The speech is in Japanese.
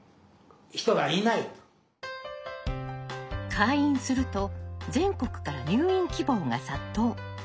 開院すると全国から入院希望が殺到。